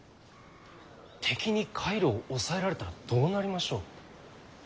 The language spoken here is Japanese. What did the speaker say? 敵に海路を抑えられたらどうなりましょう？